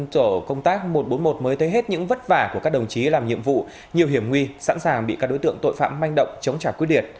tổ công tác một trăm bốn mươi một mới thấy hết những vất vả của các đồng chí làm nhiệm vụ nhiều hiểm nguy sẵn sàng bị các đối tượng tội phạm manh động chống trả quyết liệt